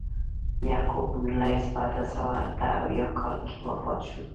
یعقوب بن لیث په اته سوه اته اویا کال کې وفات شو.